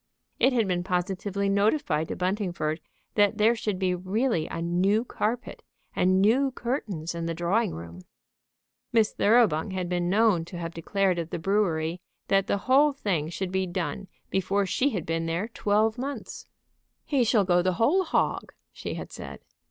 It had been positively notified to Buntingford that there should be really a new carpet and new curtains in the drawing room. Miss Thoroughbung had been known to have declared at the brewery that the whole thing should be done before she had been there twelve months. "He shall go the whole hog," she had said.